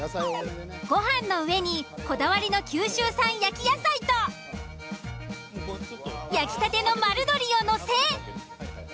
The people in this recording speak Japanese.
ご飯の上にこだわりの九州産焼き野菜と焼きたての丸鶏をのせ。